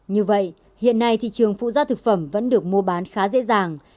như vậy hiện nay thị trường phụ gia thực phẩm vẫn được mua bán khá dễ dàng